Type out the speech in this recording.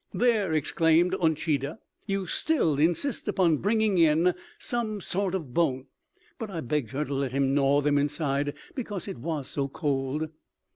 "There," exclaimed Uncheedah, "you still insist upon bringing in some sort of bone!" but I begged her to let him gnaw them inside because it was so cold.